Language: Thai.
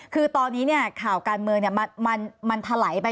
คือตอนนี้เนี่ยข่าวการเมืองเนี่ยมันทะไหลไป